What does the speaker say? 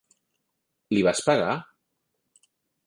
Li vas pegar?